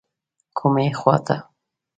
کومې خواته.